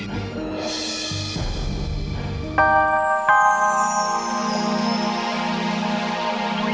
udah veel lama colaborasinya boleh ya